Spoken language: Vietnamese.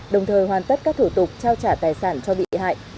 đồng thời hoàn tất các thủ tục trao trả tài sản cho bị hại